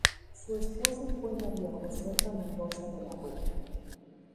Su esposa fue María Josefa Mendoza de la Rúa.